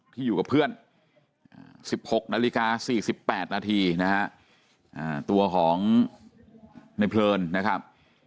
ที่อยู่กับเพื่อน๑๖นาฬิกา๔๘นาทีนะฮะตัวของในเพลินนะครับ